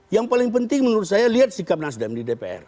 yang paling penting menurut saya lihat sikap nasdem di dpr